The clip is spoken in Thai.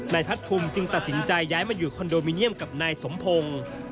พัดภูมิจึงตัดสินใจย้ายมาอยู่คอนโดมิเนียมกับนายสมพงศ์